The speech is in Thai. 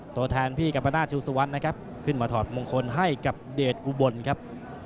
ตัวแทนพี่กัมปนาศชูสุวรรณนะครับขึ้นมาถอดมงคลให้กับเดชอุบลครับ